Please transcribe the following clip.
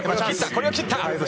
これを切った。